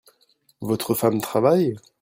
Votre femme travaille ?